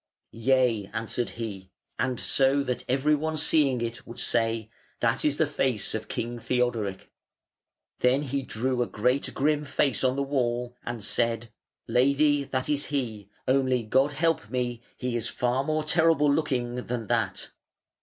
"Yea", answered he, "and so that every one seeing it would say, 'That is the face of King Theodoric.'" Then he drew a great, grim face on the wall, and said: "Lady, that is he; only, God help me! he is far more terrible looking than that".